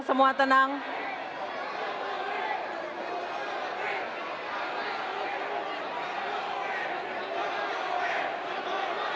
semua tenang semua tenang